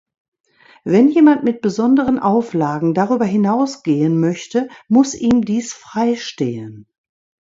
Wenn jemand mit besonderen Auflagen darüber hinausgehen möchte, muss ihm dies freistehen.